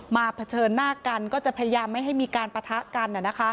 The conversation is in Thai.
เผชิญหน้ากันก็จะพยายามไม่ให้มีการปะทะกัน